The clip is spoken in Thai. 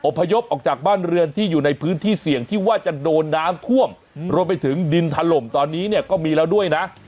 พยพออกจากบ้านเรือนที่อยู่ในพื้นที่เสี่ยงที่ว่าจะโดนน้ำท่วมรวมไปถึงดินถล่มตอนนี้เนี่ยก็มีแล้วด้วยนะ